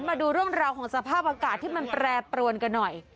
มาดูเรื่องราวของสภาพอากาศที่มันแปรปรวนกันหน่อย